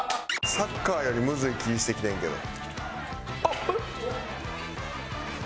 サッカーよりむずい気してきてんけど。